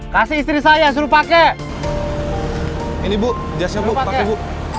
kasih istri saya suruh pakai ini bu jasnya buku buku